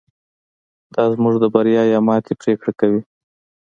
دا زموږ د بریا یا ماتې پرېکړه کوي.